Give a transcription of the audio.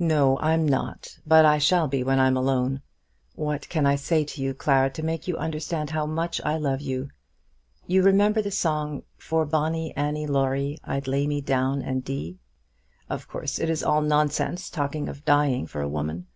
"No, I'm not; but I shall be when I'm alone. What can I say to you, Clara, to make you understand how much I love you? You remember the song, 'For Bonnie Annie Laurie I'd lay me down and dee.' Of course it is all nonsense talking of dying for a woman.